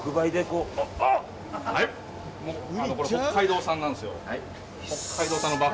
これ、北海道産なんですよ。